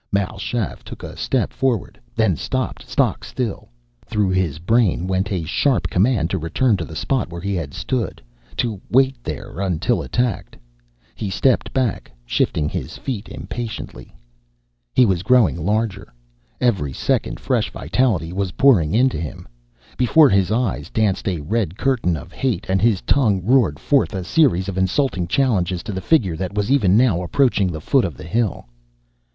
Mal Shaff took a step forward, then stopped stock still. Through his brain went a sharp command to return to the spot where he had stood, to wait there until attacked. He stepped back, shifting his feet impatiently. He was growing larger; every second fresh vitality was pouring into him. Before his eyes danced a red curtain of hate and his tongue roared forth a series of insulting challenges to the figure that was even now approaching the foot of the hill.